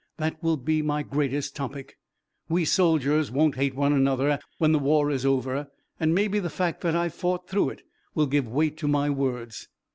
That will be my greatest topic. We soldiers won't hate one another when the war is over, and maybe the fact that I've fought through it will give weight to my words."